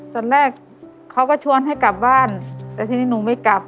ตอนแรกเขาก็ชวนให้กลับบ้านแต่ทีนี้หนูไม่กลับ